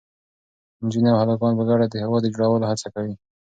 نجونې او هلکان په ګډه د هېواد د جوړولو هڅه کوي.